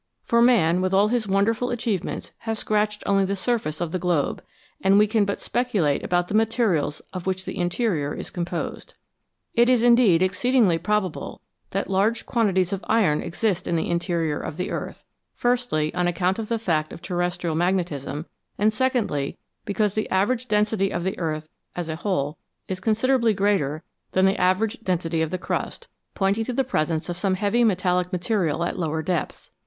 For man, with all his wonderful achievements, has scratched only the surface of the globe, and we can but speculate about the materials of which the interior is composed. It is, indeed, exceedingly probable that large quantities of iron exist in the interior of the earth, firstly, on account of the fact of terrestrial magnetism, and secondly, because the average density of the earth as a whole is considerably greater than the average density of the crust pointing to the presence of some heavy metallic material at lower depths.